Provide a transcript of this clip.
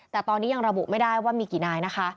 แต่ตอนนี้ยังระบุไม่ได้ว่ามีกี่นายนะคะ